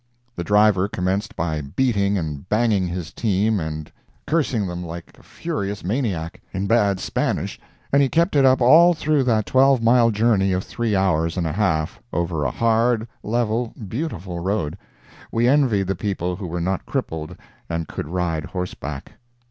The driver commenced by beating and banging his team and cursing them like a furious maniac, in bad Spanish, and he kept it up all through that twelve mile journey of three hours and a half, over a hard, level, beautiful road. We envied the people who were not crippled and could ride horseback.